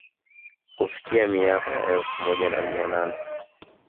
Kufikia miaka ya elfu moja na mia nane